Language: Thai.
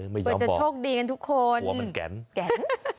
ไม่ยอมบอกกลัวมันแก่น